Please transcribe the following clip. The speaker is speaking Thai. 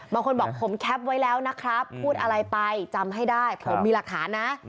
บางคนบอกผมแคปไว้แล้วนะครับพูดอะไรไปจำให้ได้ผมมีหลักฐานนะ